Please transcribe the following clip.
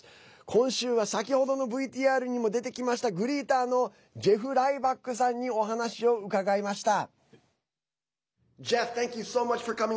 今週は先程のＶＴＲにも出てきましたグリーターのジェフ・ライバックさんにお話を伺いました。